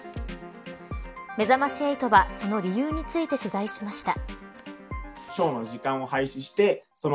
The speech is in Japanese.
めざまし８は、その理由について取材しました。